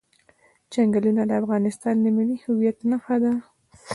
چنګلونه د افغانستان د ملي هویت نښه ده.